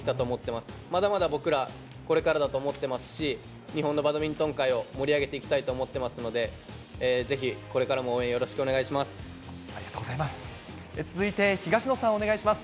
まだまだ僕ら、これからだと思ってますし、日本のバドミントン界を盛り上げていきたいと思ってますので、ぜひこれからも応援よろしくお願いします。